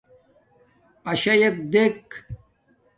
اشݳئݣ دݵک.